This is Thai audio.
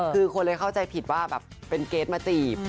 คือคนเลยเข้าใจผิดว่าแบบเป็นเกรทมาจีบ